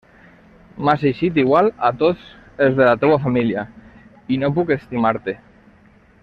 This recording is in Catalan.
M'has eixit igual a tots els de la teua família, i no puc estimar-te.